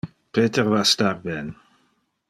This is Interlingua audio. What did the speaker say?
Peter va star ben.